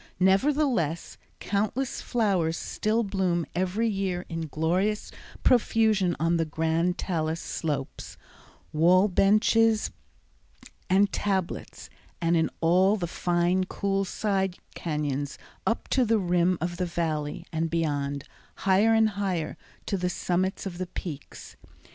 Nevertheless, countless flowers still bloom every year in glorious profusion on the grand talus slopes, wall benches and tablets, and in all the fine, cool side cañons up to the rim of the Valley, and beyond, higher and higher, to the summits of the peaks.